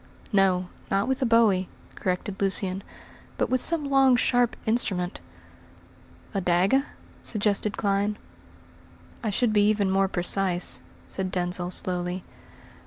"No, not with a bowie," corrected Lucian, "but with some long, sharp instrument." "A dagger?" suggested Clyne. "I should be even more precise," said Denzil slowly.